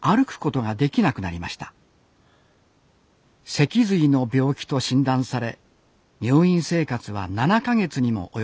脊髄の病気と診断され入院生活は７か月にも及びました。